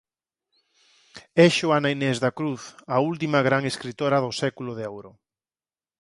É Xoana Inés da Cruz a última gran escritora do Século de Ouro.